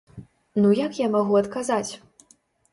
Ну як я магу адказаць?